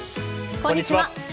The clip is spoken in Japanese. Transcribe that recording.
こんにちは。